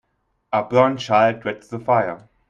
A burnt child dreads the fire.